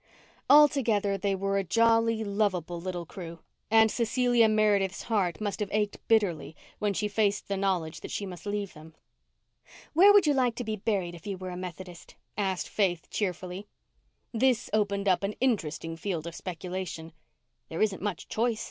Altogether they were a jolly, lovable little crew, and Cecilia Meredith's heart must have ached bitterly when she faced the knowledge that she must leave them. "Where would you like to be buried if you were a Methodist?" asked Faith cheerfully. This opened up an interesting field of speculation. "There isn't much choice.